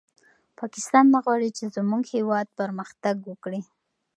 پاکستان نه غواړي چې زموږ هېواد پرمختګ وکړي.